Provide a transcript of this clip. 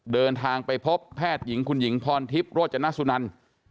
เดินทางไปพบแพทย์หญิงคุณหญิงพรทิพย์โรจนสุนัน